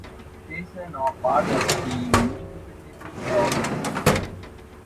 Teresa, now part of the municipality of Magsaysay.